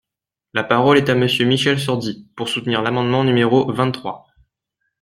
La parole est à Monsieur Michel Sordi, pour soutenir l’amendement numéro vingt-trois.